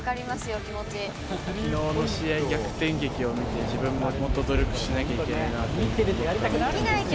きのうの試合、逆転劇を見て、自分ももっと努力しなきゃいけないなと思ったので。